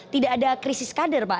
tidak ada krisis kader pak